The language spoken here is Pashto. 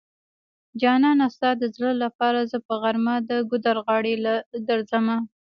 جانانه ستا د زړه لپاره زه په غرمه د ګودر غاړی له درځمه